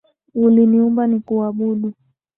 Uliniumba nikuabudu.